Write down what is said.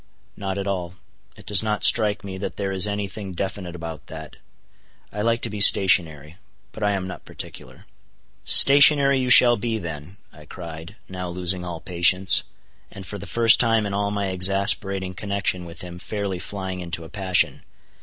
"Not at all. It does not strike me that there is any thing definite about that. I like to be stationary. But I am not particular." "Stationary you shall be then," I cried, now losing all patience, and for the first time in all my exasperating connection with him fairly flying into a passion.